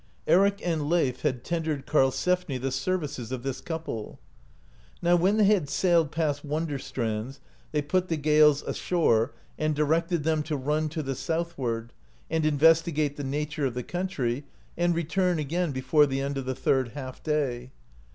Eric and Leif had tendered Karlsefni the services of this couple. Now^ when they had sailed past Wonder strands they put the Gaels ashore, and directed them to run to the southward, and investigate the nature of the country, and return again before the end of the third half day.